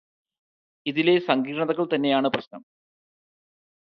ഇതിലെ സങ്കീർണതകൾ തന്നെയാണ് പ്രശ്നം.